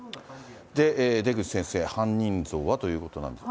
出口先生、犯人像はということなんですが。